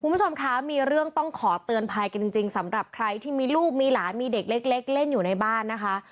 คุณผู้ชมคะมีเรื่องต้องขอเตือนภัยกันจริงสำหรับใครที่มีลูกมีหลานมีเด็กเล็กเล่นอยู่ในบ้านนะคะ